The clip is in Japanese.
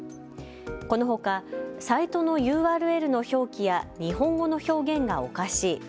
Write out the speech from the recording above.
このほかサイトのＵＲＬの表記や日本語の表現がおかしい。